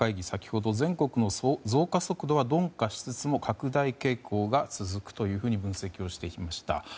先ほど、全国の増加速度は鈍化しつつも拡大傾向が続くというふうに分析をしていました。